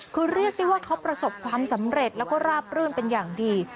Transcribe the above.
คือเรียกได้ว่าเขาประสบความสำเร็จแล้วก็ราบรื่นเป็นอย่างดี